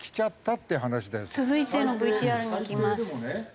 続いてのＶＴＲにいきます。